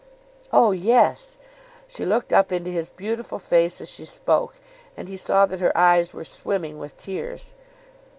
"Oh yes." She looked up into his beautiful face as she spoke, and he saw that her eyes were swimming with tears.